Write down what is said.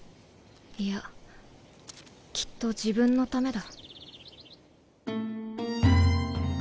いやきっと自分のためだ。